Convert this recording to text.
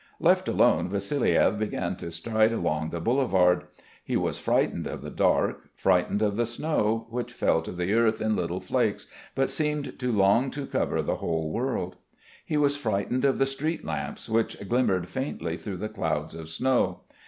Left alone, Vassiliev began to stride along the boulevard. He was frightened of the dark, frightened of the snow, which fell to the earth in little flakes, but seemed to long to cover the whole world; he was frightened of the street lamps, which glimmered faintly through the clouds of snow.